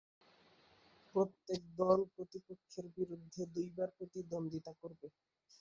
প্রত্যেক দল প্রতিপক্ষের বিরুদ্ধে দুইবার প্রতিদ্বন্দ্বিতা করবে।